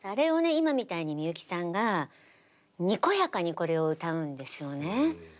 今みたいにみゆきさんがにこやかにこれを歌うんですよね。